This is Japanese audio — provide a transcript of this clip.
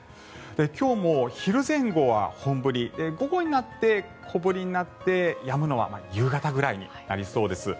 今日も昼前後は本降り午後になって小降りになってやむのは夕方ぐらいになりそうです。